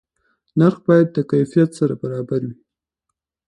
نرخ باید د کیفیت سره برابر وي.